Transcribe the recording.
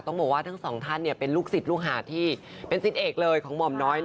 ต้องบอกว่าทั้งสองท่านเป็นลูกศิษย์ลูกหาที่เป็นสิทธิเอกเลยของหม่อมน้อย